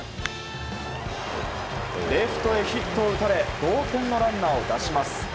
レフトへヒットを打たれ同点のランナーを出します。